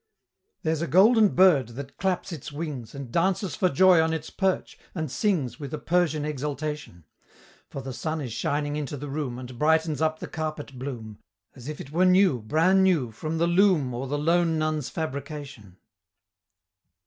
There's a Golden Bird that claps its wings, And dances for joy on its perch, and sings With a Persian exultation: For the Sun is shining into the room, And brightens up the carpet bloom, As if it were new, bran new, from the loom, Or the lone Nun's fabrication.